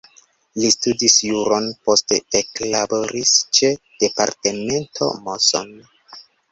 Li studis juron, poste eklaboris ĉe departemento Moson.